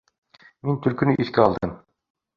Мин Төлкөнө иҫкә алдым.